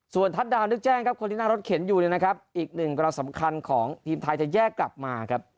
ส่วนทัศน์ดาวนึกแจ้งครับคนที่นั่งรถเข็นอยู่เนี่ยนะครับอีกหนึ่งกำลังสำคัญของทีมไทยจะแยกกลับมาครับ